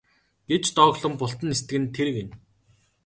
гэж дооглон бултан нисдэг нь тэр гэнэ.